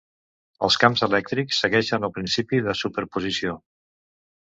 Els camps elèctrics segueixen el principi de superposició.